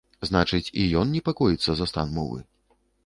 Значыць і ён непакоіцца за стан мовы.